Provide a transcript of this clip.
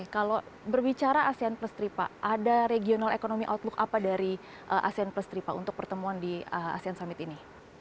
kalau berbicara asean plus tiga pak ada regional economy outlook apa dari asean plus tiga pak untuk pertemuan di asean summit ini